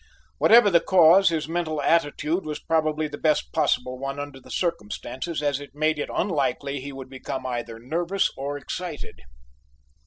Whatever the cause, his mental attitude was probably the best possible one under the circumstances as it made it unlikely he would become either nervous or excited.